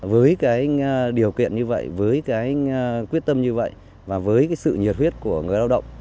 với cái điều kiện như vậy với cái quyết tâm như vậy và với cái sự nhiệt huyết của người lao động